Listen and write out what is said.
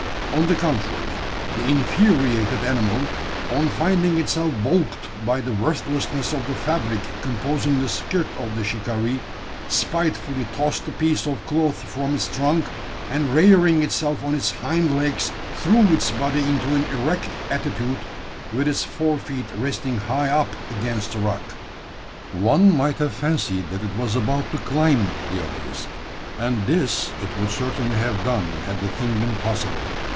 On the contrary, the infuriated animal, on finding itself baulked by the worthlessness of the fabric composing the skirt of the shikaree, spitefully tossed the piece of cloth from its trunk; and, rearing itself on its hind legs, threw its body into an erect attitude, with its fore feet resting high up against the rock. One might have fancied that it was about to climb the obelisk; and this it would certainly have done had the thing been possible.